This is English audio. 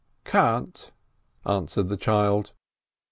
"Tan't !" answered the child.